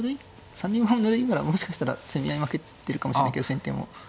３二馬もぬるいならもしかしたら攻め合い負けてるかもしれないけど先手も。